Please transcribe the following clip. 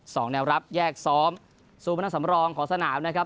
สองแนวรับแยกซ้อมสู้พนักงานสำรองของสนามนะครับ